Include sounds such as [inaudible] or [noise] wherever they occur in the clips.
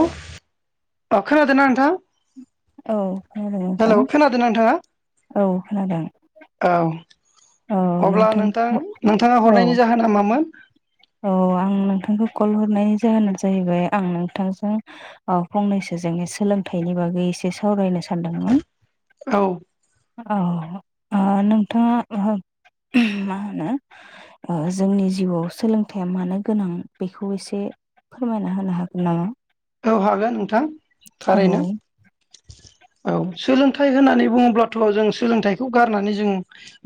उफ अ अखनादों ना नोंथां? औ खोनादों नोंथां हेल' खोनादों नोंथाङा? औ खोनादों। औ अब्ला नोंथां नोंथाङा हरनायनि जाहोना मामोन? अ आं नोंथांखौ कल हरनायनि जाहोना जाहैबाय आं नोंथांजों अ फंनैसो जोंनि सोलोंथाइनि बागै एसे सावरायनो सा सानदोंमोन। औ औ ओ नोंथाङा मा होनो ओ जोंनि जिउआव सोलोंथाइया मानो गोनां बेखौ एसे फोरमायना होनो हागोन नामा? औ हागोन नो थां औ थारैनो। औ सोलोंथाइ होननानै बुङोब्लाथ' जों सोलोंथाइखौ गारनानै जों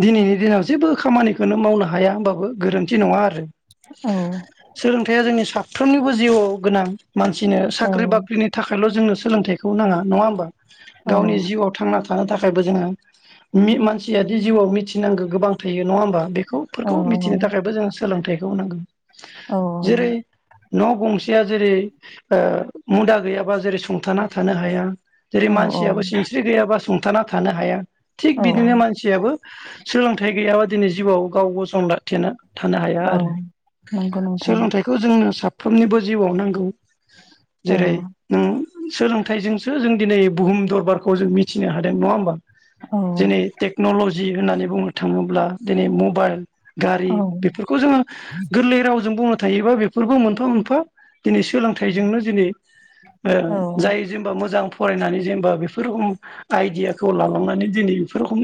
दिनैनि दिनाव जेबो खामानिखौनो मावनो हाया होनबाबो गोरोन्थि नङा आरो। औ सोलोंथाइया जोंनि साफ फ्रोमनिबो जिउआव गोनां मान। थिनो औ साख्रि बाख्रिनि थाखायल' जोंनो। सोलोंथाइखौ नाङा नङा होमबा। औ गावनि जिउआव थांना था थानो थाखायबो जोङो मि-मानसिया जिउआव मिनांगो गोबां थायो नङा होमबा बे खौ औ फोरखौ मिथिनो थाखायबो जों सोलोंथाइ‌ खौ नांगो। औ न' गंसेया जेरै। ओ मुदा गैयाबा जेरै सुंथाना थानो हाया। जेरै औ औ मानसियाबो सिनस्रि गैयाबा सुंथाना थानो हाया। थिग औ बिदिनो मानसियाबो सोलोंथाइ गैयाबा दिनै जिउआव गाव गसं ला थेना। थानो हाया औ आरो नंगौ नोंथां सोलोंथाइखौ जोंनो साफ्रोम फ्रोमनिबो जिउआव नांगौ। औ जेरै नों। सोलोंथाइजोंसो जों दिनै बुहुम दरबारखौ जों मिथिनो हादों नङा होमबा। औ जनै टेक्नलजि। होननानै बुंनो थाङोब्ला दिनै मबाइल गारि औ बेफोरखौ जोङो गोरलै रावजों बुंनो थाङोबा बेफोरबो मोनफा मोनफा दिनै सोलों थाइजोंनो दिनै ओ औ जाय जेनोबा मोजां फरायनानै जेनोबा बेफोर रोखोम आइदियाखौ लालांनानै दिनै बेफोर रोखोम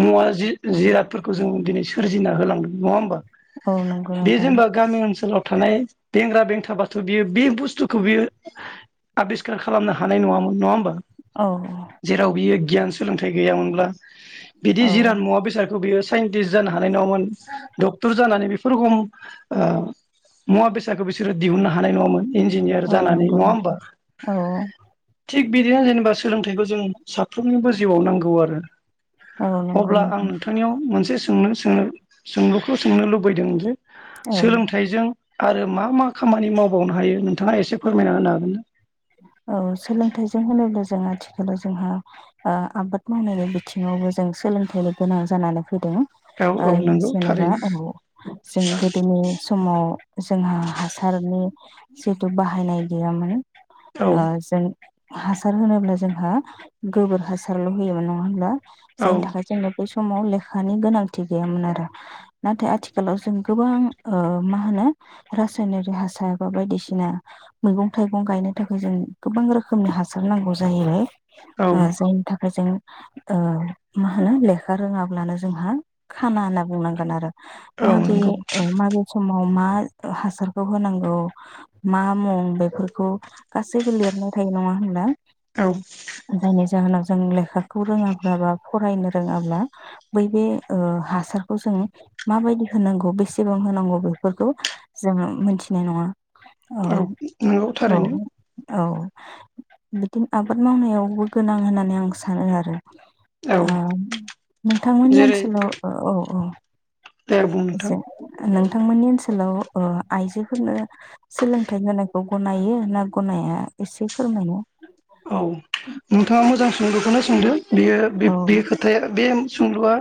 मुवा जिरादफोरखौ जों दिनै सोरजिना होलांदों नङा होमबा। औ नंगौ बे नोंथां जेनबा गामि ओनसोलाव थानाय बेंग्रा बेंथाब बाथ बियो बे बुस थुखौ बियो आबिस्कार खालामनो हानाय नङामोन नङा होमबा? औ जेराव बियो गियान सोलोंथाइ गैयामोनब्ला बिदि औ जिराद मुवा बेसादखौ बियो साइन्टिस जानो हानाय नङामोन डक्टर जानानै बेरोखम मुवा बेसादखौ बिसोरो दिहुननो हानाय नङामोन। इन्जिनियार औ जानानै नंगौ नङा नोंथां होमबा औ थिग बिदिनो जेनोबा सोलोंथाइखौ जों साफ्रोमनिबो जिबआव नांगौ आरो औ नंगौ अब्ला आं नोंथां नोंथांनियाव मोनसे सोंनो सोंलुखौ सोंनो लुबैदों जे औ सोलोंथाइजों आरो मा मा खामानि मावबावनो हायो नोंथाङा एसे फोरमायना होनो हागोन ना? औ सोलोंथाइजों होनोब्ला जों आथिखालाव जोंहा आबाद मावनायनि बिथिङावबो जों सोलोंथाइनि गोनां जानानै फैदों। हागोन ना औ ओ औ नंगौ जेनेबा थारैनो औ जों गोदोनि समाव जोंहा हासारनि जिहेतु बाहायनाय गैयामोन। औ ओ जों हासार होनोब्ला जोंहा गोबोर हासारल होयोमोन नङा होमब्ला औ जायनि थाखाय जोंनो समाव लेखानि गोनांथि गैयामोन आरो। नाथाय आथिखालाव जों गोबां माहोनो रासायनारि हासार बा बायदिसिना मैगं थाइगं गायनो थाखाय जों गोबां रोखोमनि हासार नांगौ जाहैबाय। औ ओ जायनि थाखाय जों ओ मा होनो लेखा रोङाब्लानो जोंहा खाना होनना बुंनांगोन आरो माबे नंगौ माबे समाव मा हासारखौ होनांगौ मा मुं बेफोर खौ गासैबो लिरनाय थायो नङा होनब्ला। औ जायनि जाहोनाव जों लेखा [unintelligible] फरायनो रोङाब्ला बै बे हासारखौ जों माबायदि होनांगौ बेसेबां होनांगौ बेफोरखौ जोङो मोनथिनाय नङा। औ औ थारैनो औ बिदिनो आबाद मावनायावबो गोनां होननानै आं सानो आरो। औ नोंथांमोननि जेरै ओनसोलाव औ औ दे बुं नोंथां ए नोंथांमोननि ओनसोलाव आइजोफोरनो सोलोंथाइ जानायखौ गनायो ना गनाया एसे फोरमायनो औ नोंथाङा मोजां सोंलुखौनो सोंदों। बेयो बे औ बे खोथाया बे सुंलुआ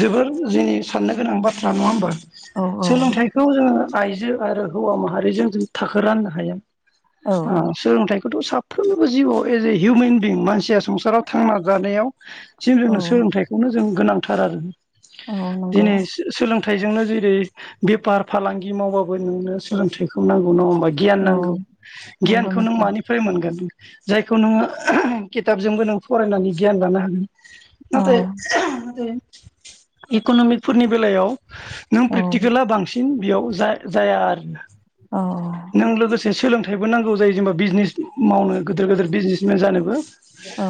जोबोर जोंनि साननो गोनां बाथ्रा नङा होमबा। औ औ सोलोंथाइखौ जोङो आइजो आरो हौवा माहारिजों जों थाखो राननो हाया। औ सोलोंथाइखौथ' साफ [unintelligible] एज ए हिउमेन बिं मानसि संसाराव थांना जानायावसिम औ जोंङो सोलोंथाइखौनो जों गोनां। थार आरो औ नंगौ दिनै सोलोंथ नाथायजोंनो जेरै बेफार फालांगि मावबाबो नोंनो सोलोंथाइखौ नांगौ नङा गियान औ नांगौ नंगौ गियानखौ नों नोंथां मानिफ्राय मोनगोन जायखौ नोङो खिथाबजोंबो नों फरायनानै गियान लानो हागोन। औ नाथाय इक'नमिकफोरनि बेलायाव नों औ प्रेकटिकेला बांसिन बेयाव ज जाया आरो। अ। जे सोलोंथाइबो नांगौ जायो जेनेबा बिजनेस मावनानै गिदिर गिदिर बिजनेसमेन जानोबो औ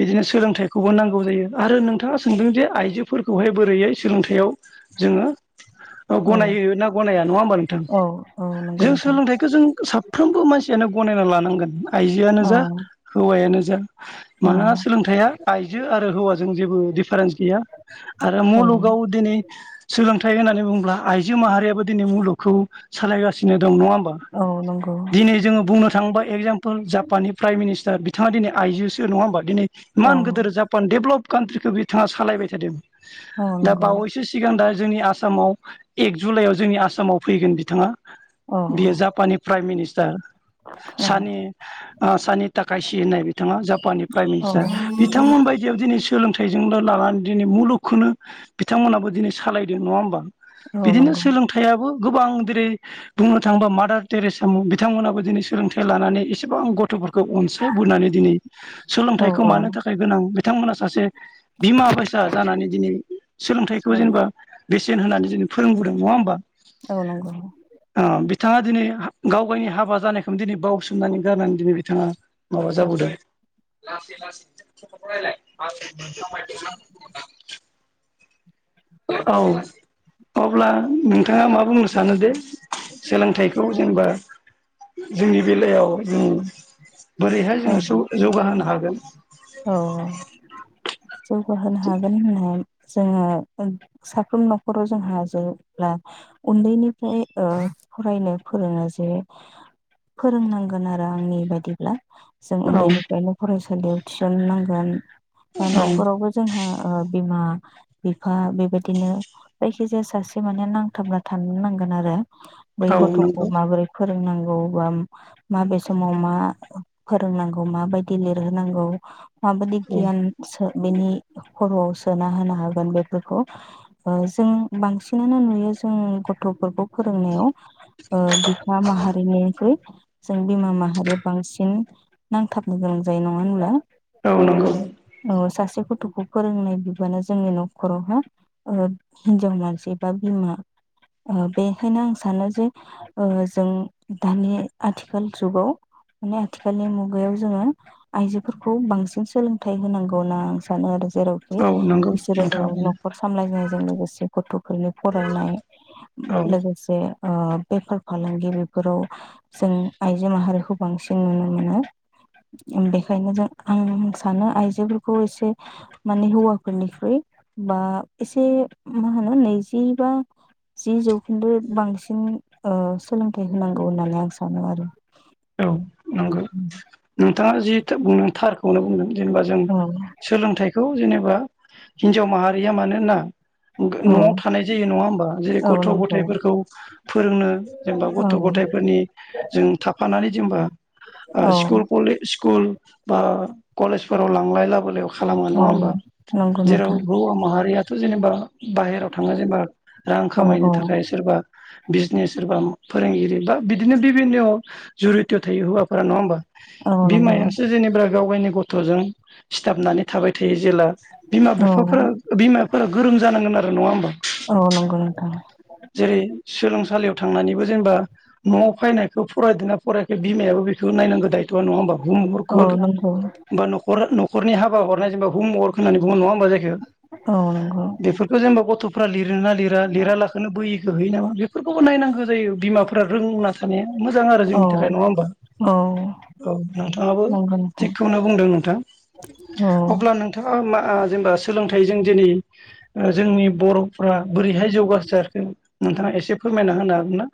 बिदिनो सोलोंथाइखौ नांगौ जायो आरो नोंथाङा सोंदों जे आइजोफोरखौहाय बोरैहै सोलोंथाइयाव जोङो ओ औ गनायो ना गनाया नङा होमबा नोंथां औ औ नंगौ जों नोंथां सोलोंथाइखो जों साफ्रोमबो मानसियानो गनायना लानांगोन। आइजोआनो औ जा हौवायानो जा औ मानोना सोलोंथाइया आइजो आरो हौवाजों जेबो दिडिफारेन्स गैया आरो औ मुलुगाव दिनै सोलोंथाइ होननानै बुङोब्ला आइजो माहारियाबो दिनै मुलुग खौ सालायगासिनो। दं नङा होमबा औ नंगौ दिनै जोङो बुंनो थाङोबा एक्जाम जापाननि प्राइम मिनिस्टार बिथाङा दिनै आइ जोसो नंङा होमबा दिनै औ इमान गोदोर जापान डेब्लप काान्ट्रिखो बिथाङा सालायबाय थादों। औ दा नंगौ बावैसो सिगां दा जोंनि आसामाव एक जुलाइआव जोंनि आसामाव फैगोन बिथाङा औ बेयो जापाननि प्राइम मिनिस थार। औ सानि ओ सानि थाखासि होननाय बिथाङा जापाननि प्राइम औ मिनिस्टार बिथांबायदियाव दिनै सोलोंथाइजोंनो लानानै दिनै मुलुगखौनो बिथांमोनहाबो दिनै सालायदों नङा होमबा। औ बिदिनो नंगौ सोलोंथाइयाबो गोबां दिरै बुंनो थाङोबा मादार टेरेसामोन बिथांमोनाबो दिनै सोलोंथाइ लानानै एसे गोबां गथ'फोर खौ अनसाय बोनानै दिनै औ सोलोंथाइखौ औ मानो थाखाय गोनां बिथांमोना सासे बिमा बायसा जानानै दिनै सोलोंथाइखौ औ जेनेबा बेसेन होनानै जोंनो फोरोंबोदों नङा होमबा। औ नंगौ। ओ बिथाङा दिनै गावगाइनि हाबा जानायखौनो दिनै बावसोमनानै जानानै दिनै बिथाङा माबा जाबोदो। [unintelligible] [inaudible] [unintelligible] औ अब्ला नोंथाङा मा बुंनो सानो दे? सोलोंथाइखौ जेनबा जोंनि बेलायाव उम बोरैहाय औ जोङो जौगाहोनो हागोन। जौगाहानो हागोन होना जोङो साफ्रोम न'खराव जोंहा जेब्ला उन्दैनिफ्राय ओ फरायनो फोरोङो जे फोरोंनांगोन आरो आंनि बादि ब्ला जों औ उन्दैनिफ्रायनो फरायसालियाव थिसननांगोन। बा औ न'खरावबो जोंहा ओ बिमा बिफा बेबायदिनो जायखिजाया सासे माने नांथाबना थानो नांगोन आरो। बै औ गथ'खौ नंगौ माबोरै फोरोंनां गौ बा माबे समाव मा फोरोंनांगौ माबायदि लिरहोनांगौ। माबादि औ गियान सो बेनि खर'आव सोना होनो हागोन बेफोरखौ जों बांसिनानो नुयो जों गथ'फोरखौ फोरोंनायाव ओ बिफा माहारिनिख्रुइ जों बिमा माहारिया बांसि न नांथाबनो गोनां जायो नङा होनब्ला? औ नंगौ अ सासे गथ' खौ फोरोंनाय बिबाना जोंनि न'खरावहााय हिनजाव मानसि बा बिमा बेखायनो आं सानो जे ओ जों दानि आथिखाल जुगाव माने आथिखालनि मुगायाव जोङो आइजोफोरखौ बांसिन सोलोंथाइ होनांगौ होनना आं सानो आरो। जेरावखि औ नंगौ बिसोरो औ नोंथाङा बुंनो न'खर सामलायनायजों लोगोसे गथ'फोरनि फरायनाय औ लोगोसे ओ बेफार फालांगि बेफोराव जों आइजो माहारिखौ बांसिन नुनो मोनो। बेखायनो जों आं सानो आइजोफोरखौ एसे माने हौवाफोरनिख्रुइ बा एसे मा होनो नैजि बा जि जौखिदो बांसिन सोलोंथाइ होनांगौ होननानै आं सानो आरो। औ नंगौ नोंथाङा जि बुंदो थार। खौनो बुंदों। जेनेबा जों औ सोलोंथाइखौ जेन बा हिनजाव माहारिया मानोना औ न'आव थानाय जायो नङा होमबा जेरै औ गथ' नंगौ गथायाइफोरखौ फोरोंनो जेनेबा औ गथ' गथायफोरनि जों था फानानै जेनबा औ स्कुल कलेज सि कुल बा कलेज फोराव लांलाय लाबोलायाव खालामो नङा औ होमबा नंगौ जेराव नोंथां हौवा माहारिया थ' जेनेबा बाहेराव थाङो जेनेबा रां औ खामायनो औ थाखाय सोरबा बिजनेस सोरबा फोरोंगिरि बा बिदिनो बिभिन्न जुरि राव थायो हौवाफोरा नङा होमबा औ नंगौ बिमायासो जेनेबा गाव गावनि गथ'जों सिथाबनानै थाबाय थायो जेला बिमा औ बिफाफोरा बिमाफोरा गोरों जानांगोन आरो नङा होमबा? औ नंगौ नोंथां जेरै-सोलोंसालियाव थांनानैबो जेनेबा न'आव फैनायखौ फरायदोंना फरायखै बिमायाबो बेखौ नायनांगौ दायथ'आ नङा होमबा हम औ वर्कफोर नंगौ बा न'खरा न'ख- हरनि हाबा हरनाय जेनबा हमवर्क होनानै गुबुन नङा होमबा जायखो औ नंगौ बेफोरखौ जेनेबा गथ'- प्रलि [inaudible] लिरना लिरा-लिरा लाख- बैयोखो हैयो नामा? बेफोरखौबो नायनांगौ जायो बिमा- फोरा रोंना थानाया मोजां आरो जोंनि औ थाखाय नङा होमबा औ औ नोंथाङाबो नंगौ नोंथां थिगखौनो बुंदों नोंथां औ अब्ला नोंथाङा मा अ जेनेबा सोलोंथाइजों दिनै अ जोंनि बर' अ बोरैहाय जौगासार नोंथाङा एसे फो- रमायना होना हागोन ना?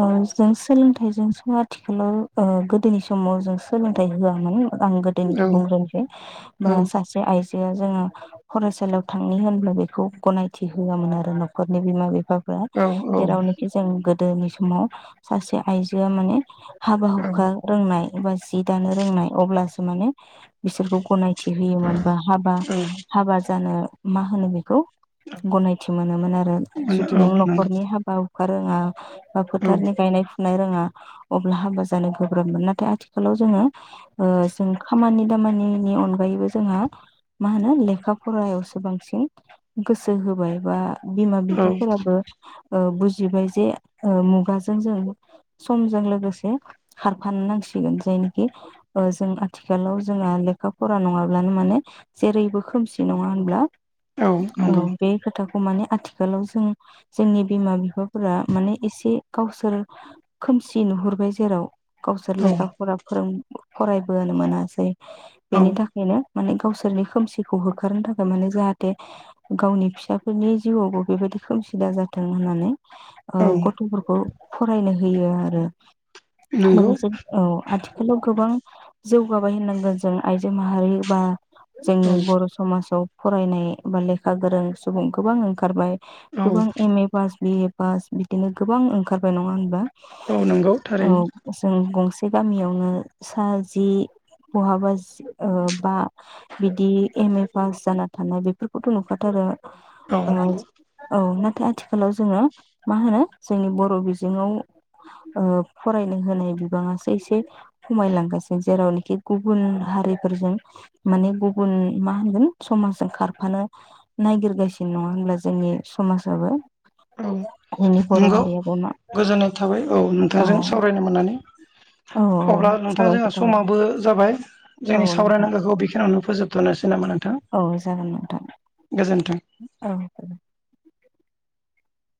अ जों सोलोंथाइजों सो आथिखालाव ओ गोदोनि समाव जों सोलोंथाइ होआमोन आं औ गोदोनिखौ बुंग्रोनोसै औ बा सासे आइजोआ जोङो फराय- सालिआव थांनि होनब्ला बेखौ गनायथि होआमोन आरो न'खरनि बिमा बि- फा फोरा औ जेरावनिखि जों गो- दोनि समाव सासे आइजोआ माने हाबा औ हुखा रोंनाय बा जि दानो रोंनाय अब्लासो माने बिसोरखौ गनाय मिथि होयोमोनबा हाबा-हाबा जानो मा होनो बेखौ? गनायथि मोनोमोन आरो औ जुदि नों नंगौ न'खरनि हाबा फोरोङा बा औ फोथारनि गायनाय फो- नाय रोङा अब्ला हाबा जानो गोब्राबमोन नाथाय आथिखालाव जोङो ओ जों खामानि दामानिनि अनगायैबो जोंहा मा होनो लेखा फरायावसो बांसिन गोसो होबाय बा- बिमा बिफाफोराबो अ बुजिबाय जे ओ मुगाजों जों समजों औ लोगोसे खारफानो नांसिगोन जायनोखि अ जों आथिखालाव जोंहा लेखा फरा नङाब्लानो माने जेरैबो खोमसि नङा होनब्ला औ नंगौ औ बे खोथा माने आथिखालाव जों-जोंनि बिमा बिफाफोरा माने एसे गावसोर खोमसि नुहुरबाय जेराव गावसोर औ लेखाफोरा फोरों फरायबोनो मोनासै औ बेनि थाखायनो माने गावसोरनि खोमसिखौ होखारनो थाखाय माने जाहाथे गावनि फिसाफोरनि जिउआवबो बेबायदि खोमसि दाजाथों होननानै औ गद खौ फरायनो होयो आरो नंगौ लोगोसे औ आथिखालाव गोबां जौगाबाय होननांगोन जों आइजो माहारि बा जोंनि औ बर' समासाव फरायनाय बा लेखा गोरों सुबुं गोबां ओंखारबाय औ गोबां एमे पास बिए पास बिदिनो गोबां ओंखारबाय नङा होनबा औ नंगौ थारैनो बे गामियावनो सा जि बहाबा ज ओ बा बिदि एमे पास जाना थानाय बेफोरखौथ' नुखाथारो औ नंगौ ओज औ नाथ थाय आथिखालाव जोङो मा होनो जोंनि बर' बिजोङाव ओ फरायनो होनाय बिबांङासो एसे खमायलांगासिनो जेरावनोखि गुबुन हारिफोरजों माने गुबुन मा होनगोन समाजजों खारफानो नागिरगासिनो नङा होनब्ला जोंनि समाजाबो औ जोंनि बर' नंगौ हारियाबो मा गोजोननाय थाबाय औ नोंथांजों सावरायनो मोननानै औ [inaudible] अब्ला नोंथाङा साबायखर जोंहा थाबाय समाबो जाबाय औ जोंनि नोंथां सावरायनांगौखौ बेखिनियावनो फोजोबथ'नोस सै नामा नों औ जागोन नोंथां औ